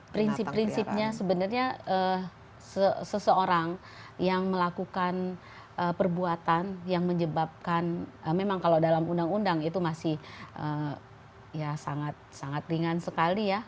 prinsip prinsipnya sebenarnya seseorang yang melakukan perbuatan yang menyebabkan memang kalau dalam undang undang itu masih ya sangat ringan sekali ya